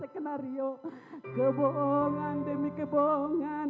kebohongan demi kebohongan